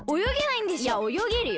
いやおよげるよ。